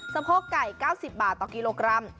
สะโพกไก่๙๐บาทต่อกิโลกรัม